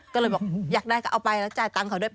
ก็เลยบอกอยากได้ก็เอาไปแล้วจ่ายตังค์เขาด้วย